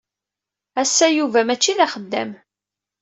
Ass-a, Yuba mačči d axeddam.